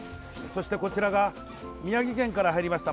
そして、こちらが宮城県から入りました